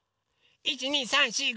１２３４５。